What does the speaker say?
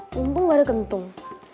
mumpung gak ada kentung